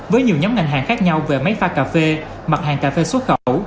với nhiều nhóm ngành hàng khác nhau về máy pha cà phê mặt hàng cà phê xuất khẩu